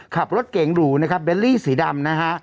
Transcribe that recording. ขับรถเก๋งหรูนะครับเบลลี่สีดำนะฮะ